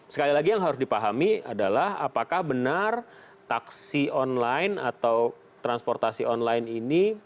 sekali lagi yang harus dipahami adalah apakah benar taksi online atau transportasi online ini